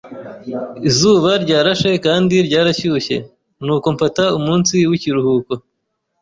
Izuba ryarashe kandi ryarashyushye, nuko mfata umunsi w'ikiruhuko.